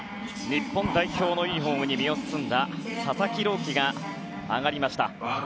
日本代表のユニホームに身を包んだ佐々木朗希が上がりました。